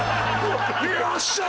よっしゃー！